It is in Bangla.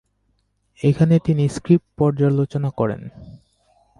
এখানে তিনি স্ক্রিপ্ট পর্যালোচনা করেন।